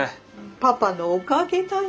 パパのおかげだよ。